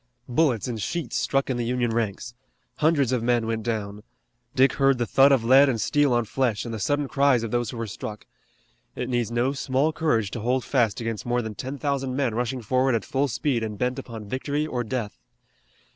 Bullets in sheets struck in the Union ranks. Hundreds of men went down. Dick heard the thud of lead and steel on flesh, and the sudden cries of those who were struck. It needs no small courage to hold fast against more than ten thousand men rushing forward at full speed and bent upon victory or death.